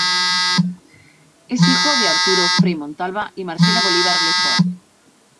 Es hijo de Arturo Frei Montalva y Marcela Bolívar Le Fort.